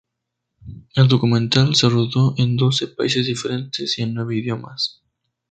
El documental se rodó en doce países diferentes y en nueve idiomas.